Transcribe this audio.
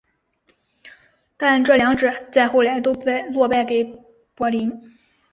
但这两者在后来都落败给柏林。